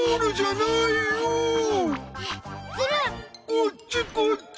こっちこっち。